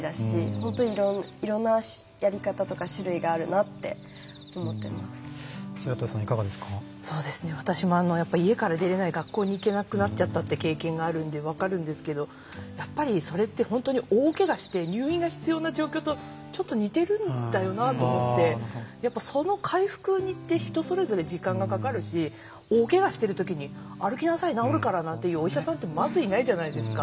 本当にいろんなやり方とか私も家から出れない学校に行けなくなっちゃったって経験があるんで分かるんですけどそれって本当に大けがして入院が必要な状況とちょっと似てるんだよなって思ってその回復って人それぞれ時間がかかるし大けがしてるときに歩きなさい治るからなんていうお医者さんってまずいないじゃないですか。